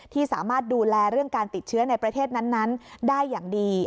ที่สามารถดูแลเรื่องการติดเชื้อในประเทศนั้นได้อย่างดี